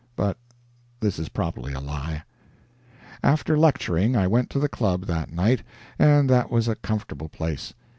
But this is probably a lie. After lecturing I went to the Club that night, and that was a comfortable place.